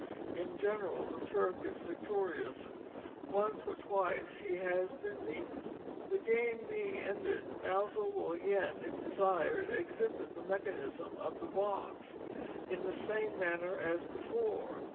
In general, the Turk is victorious—once or twice he has been beaten. The game being ended, Maelzel will again if desired, exhibit the mechanism of the box, in the same manner as before.